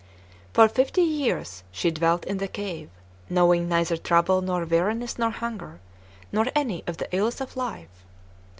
For fifty years she dwelt in the cave, knowing neither trouble nor weariness nor hunger, nor any of the ills of life.